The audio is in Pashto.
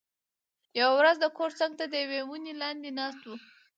یوه ورځ د کور څنګ ته د یوې ونې لاندې ناست و،